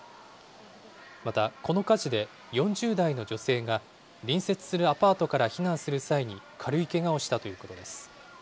また、この火事で４０代の女性が、隣接するアパートから避難する際に軽いけがをしたということです。